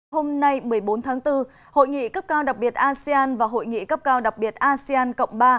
hôm nay một mươi bốn tháng bốn hội nghị cấp cao đặc biệt asean và hội nghị cấp cao đặc biệt asean cộng ba